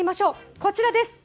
こちらです。